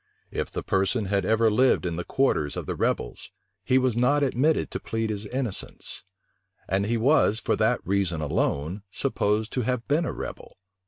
If the person had ever lived in the quarters of the rebels, he was not admitted to plead his innocence; and he was, for that reason alone, supposed to have been a rebel.